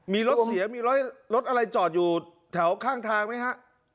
มีรถเสียมีรถอะไรจอดอยู่แถวข้างทางไหมฮะ